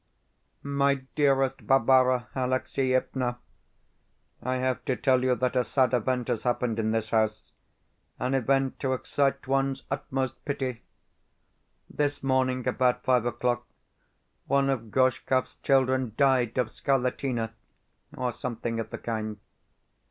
MY DEAREST BARBARA ALEXIEVNA, I have to tell you that a sad event has happened in this house an event to excite one's utmost pity. This morning, about five o'clock, one of Gorshkov's children died of scarlatina, or something of the kind.